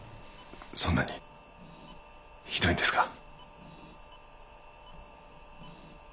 そんなにひどいんですか？